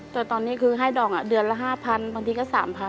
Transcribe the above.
แต่ตอนนี้คือให้ดอกเดือนละ๕๐๐บางทีก็๓๐๐